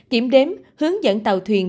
kiểm đếm hướng dẫn tàu thuyền